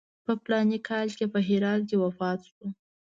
په فلاني کال کې په هرات کې وفات شو.